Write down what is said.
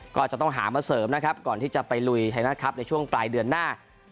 ก็จะต้องหามาเสริมนะครับก่อนที่จะไปลุยไทยรัฐครับในช่วงปลายเดือนหน้า